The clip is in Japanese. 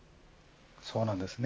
そうなんですね。